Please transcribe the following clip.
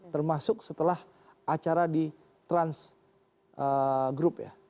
termasuk setelah acara di trans group ya